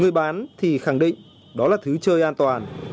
người bán thì khẳng định đó là thứ chơi an toàn